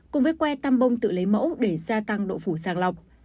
cùng với que tam bông tự lấy mẫu để gia tăng độ phủ sàng lọc